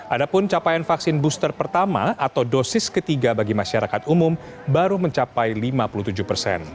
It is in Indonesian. adapun capaian vaksin booster pertama atau dosis ketiga bagi masyarakat umum baru mencapai lima puluh tujuh persen